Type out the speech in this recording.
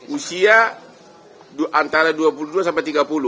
usia antara dua puluh dua sampai tiga puluh